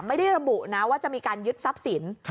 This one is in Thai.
ไม่ได้ระบุนะว่าหยุดทรัพย์สิน